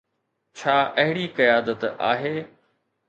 ڇا اهڙي قيادت آهي؟